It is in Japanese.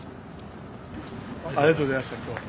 ありがとうございました今日は。